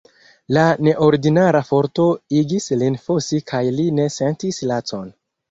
La neordinara forto igis lin fosi kaj li ne sentis lacon.